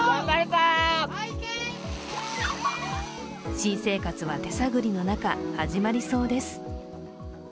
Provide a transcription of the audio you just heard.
新生活は手探りの中、始まりそうです。